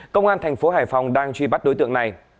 công an thành phố hải phòng đang truy bắt đối tượng này